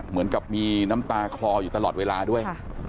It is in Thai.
เหมือนกับมีน้ำตาคลออยู่ตลอดเวลาด้วย